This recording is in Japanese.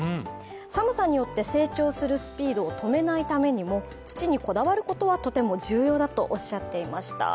寒さによって成長するスピードを止めないためにも、土にこだわることはとても重要だとおっしゃっていました。